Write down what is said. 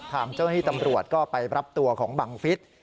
ทางเจ้าหน้าที่ตำรวจก็ไปรับตัวของบังฟิศ